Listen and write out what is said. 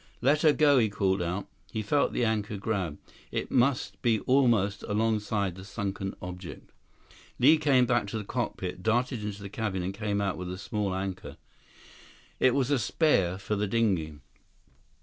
"Let 'er go," he called out. He felt the anchor grab. It must be almost alongside the sunken object. Li came back to the cockpit, darted into the cabin, and came out with a small anchor. It was a spare for the dinghy.